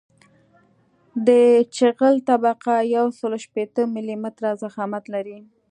د جغل طبقه یوسل شپیته ملي متره ضخامت لري